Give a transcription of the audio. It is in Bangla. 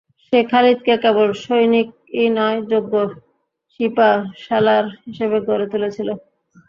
সে খালিদ কে কেবল সৈনিকই নয়, যোগ্য সিপাহসালার হিসেবে গড়ে তুলেছিল।